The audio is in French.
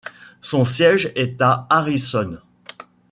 Son siège est à Harrison.